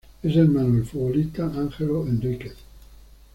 Es hermano del futbolista Ángelo Henríquez.